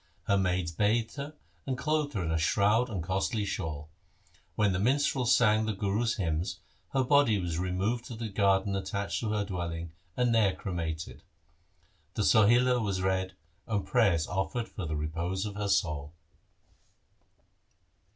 Her maids bathed her and clothed her in a shroud and costly shawl. While the minstrel sang the Guru's hymns, her body was removed to the garden attached to her dwelling and there cremated. The Sohila was read and prayers offered for the repose of her soul.